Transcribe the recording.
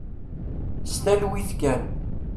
S talwit kan.